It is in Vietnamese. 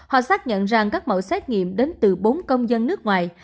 họ xác nhận rằng các mẫu xét nghiệm đến từ bốn công dân nước ngoài